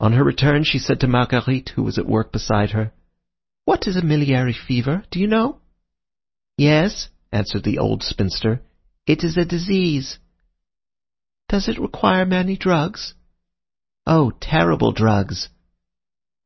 On her return, she said to Marguerite, who was at work beside her:— "What is a miliary fever? Do you know?" "Yes," answered the old spinster; "it is a disease." "Does it require many drugs?" "Oh! terrible drugs."